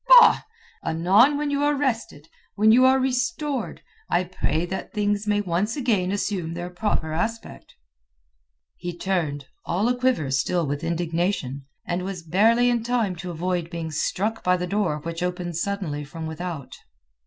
Bah! Anon when you are rested, when you are restored, I pray that things may once again assume their proper aspect." He turned, all aquiver still with indignation, and was barely in time to avoid being struck by the door which opened suddenly from without.